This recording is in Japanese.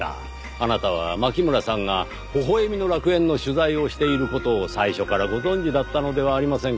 あなたは牧村さんが微笑みの楽園の取材をしている事を最初からご存じだったのではありませんか？